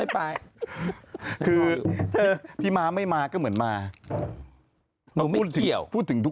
ไม่ไปแล้ว